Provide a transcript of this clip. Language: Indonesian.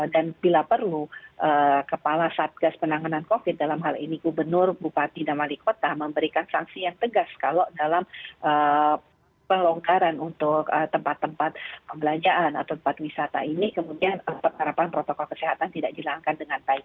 dan bila perlu kepala satgas penanganan covid dalam hal ini gubernur bupati dan mali kota memberikan sanksi yang tegas kalau dalam pelongkaran untuk tempat tempat perbelanjaan atau tempat wisata ini kemudian penerapan protokol kesehatan tidak dijalankan dengan baik